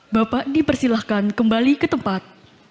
bapak dipersilahkan kembali ke tempat